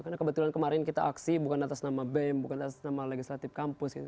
karena kebetulan kemarin kita aksi bukan atas nama bem bukan atas nama legislative campus gitu